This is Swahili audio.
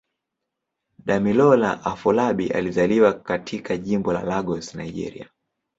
Damilola Afolabi alizaliwa katika Jimbo la Lagos, Nigeria.